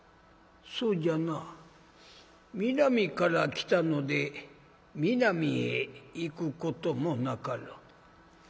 「そうじゃな南から来たので南へ行くこともなかろう。